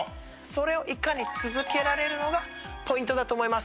それをいかに続けられるのがポイントだと思います。